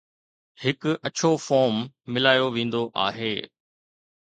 هڪ اڇو فوم ملايو ويندو آهي